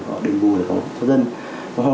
họ đền bù để có một số dân